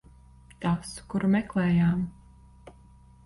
Tas, kuru meklējām.